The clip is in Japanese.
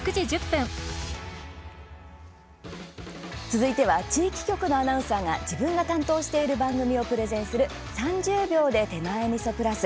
続いては地域局のアナウンサーが自分が担当している番組をプレゼンする「３０秒で手前みそプラス」。